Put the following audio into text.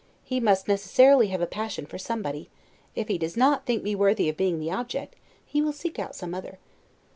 He must necessarily have a passion for somebody; if he does not think me worthy of being the object, he will seek out some other.